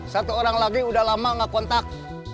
satu orang lagi udah lama nggak kontak